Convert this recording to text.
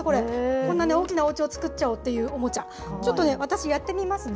こんな大きなおうちを作っちゃおうというおもちゃ、ちょっとね、私、やってみますね。